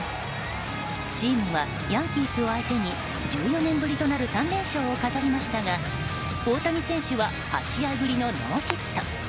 チームはヤンキースを相手に１４年ぶりとなる３連勝を飾りましたが大谷選手は８試合ぶりのノーヒット。